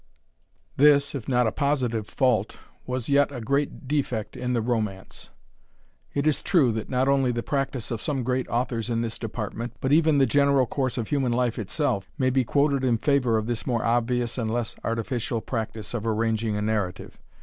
This, if not a positive fault, was yet a great defect in the Romance. It is true, that not only the practice of some great authors in this department, but even the general course of human life itself, may be quoted in favour of this more obvious and less artificial practice of arranging a narrative.